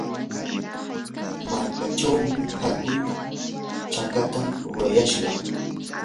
markachawmi hatun chakata rurayashqa.